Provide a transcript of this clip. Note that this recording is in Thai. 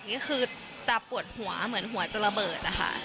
ก็คือจะปวดหัวเหมือนหัวจะระเบิดนะคะ